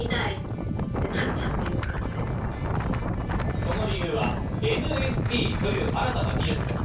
その理由はＮＦＴという新たな技術です。